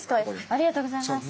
ありがとうございます。